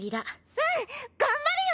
うん頑張るよ！